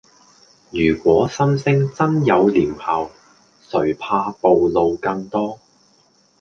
如果心聲真有療效，誰怕暴露更多